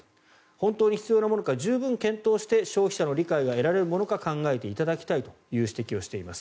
本当に必要なものか十分検討して消費者の理解を得られるか考えていただきたいという指摘をしています。